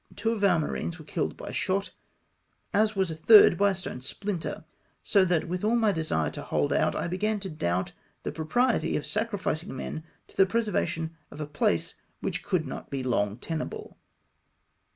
Two of our marines were killed by shot, as was a third by a stone sphnter, so that with all my deske to hold out, I began to doubt the propriety of sacrificing men to the preservation of a place which could not be long tenable.